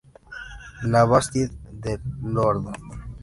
La Bastide-de-Lordat